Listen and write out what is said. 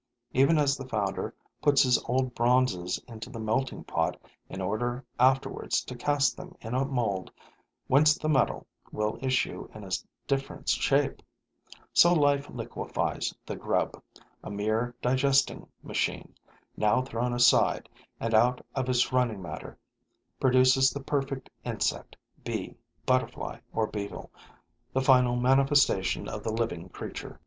Even as the founder puts his old bronzes into the melting pot in order afterwards to cast them in a mould whence the metal will issue in a different shape, so life liquefies the grub, a mere digesting machine, now thrown aside, and out of its running matter produces the perfect insect, bee, butterfly or beetle, the final manifestation of the living creature.